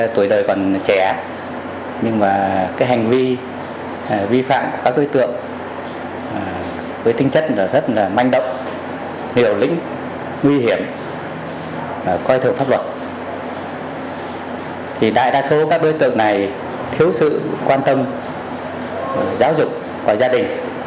thì đại đa số các đối tượng này thiếu sự quan tâm giáo dục của gia đình